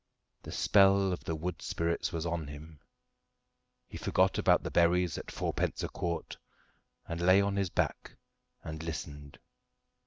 The spell of the wood spirits was on him; he forgot about the berries at fourpence a quart, and lay on his back and listened.